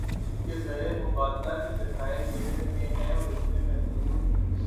کہ زر مبادلہ کے ذخائر گر رہے ہیں اور اتنے محدود